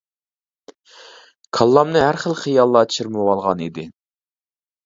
كاللامنى ھەر خىل خىياللار چىرمىۋالغان ئىدى.